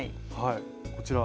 こちら。